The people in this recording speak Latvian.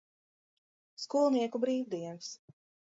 Skolnieku brīvdienas.